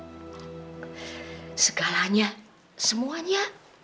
kamu segalanya semuanya